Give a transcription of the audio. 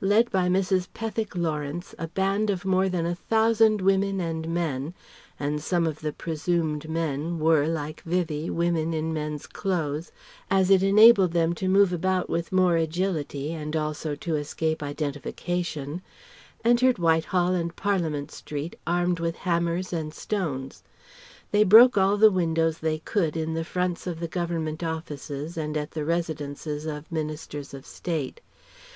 Led by Mrs. Pethick Lawrence a band of more than a thousand women and men (and some of the presumed men were, like Vivie, women in men's clothes, as it enabled them to move about with more agility and also to escape identification) entered Whitehall and Parliament Street armed with hammers and stones. They broke all the windows they could in the fronts of the Government offices and at the residences of Ministers of State.